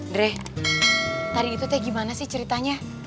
dre tadi gitu teh gimana sih ceritanya